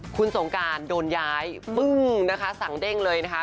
คุณสงการโดนย้ายปึ้งนะคะสั่งเด้งเลยนะคะ